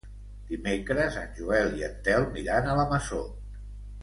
Dimecres en Joel i en Telm iran a la Masó.